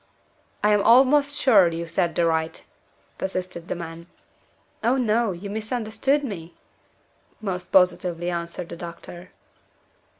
"I am almost sure you said the right!" persisted the man. "Oh, no! You misunderstood me," most positively answered the doctor.